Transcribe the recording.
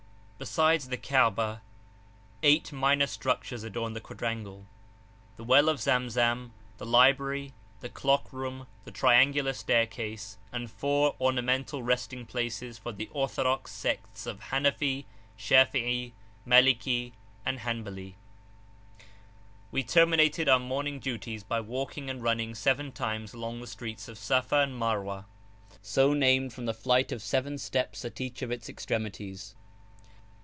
Besides the Kabah, eight minor structures adorn the quadrangle, the well of Zamzam, the library, the clock room, the triangular staircase, and four ornamental resting places for the orthodox sects of Hanafi, Shafi, Maliki, and Hanbali. We terminated our morning duties by walking and running seven times along the streets of Safa and Marwa, so named from the flight of seven steps at each of its extremities.